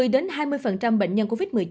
một mươi đến hai mươi bệnh nhân covid một mươi chín